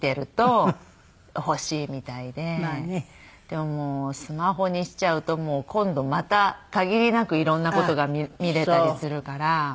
でもスマホにしちゃうと今度また限りなく色んな事が見れたりするから。